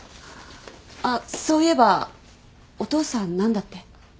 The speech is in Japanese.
あっそういえばお父さん何だって？